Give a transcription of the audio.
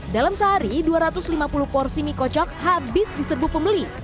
dalam sehari dua ratus lima puluh porsi mie kocok habis diserbu pembeli